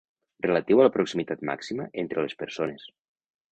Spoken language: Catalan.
Relatiu a la proximitat màxima entre les persones.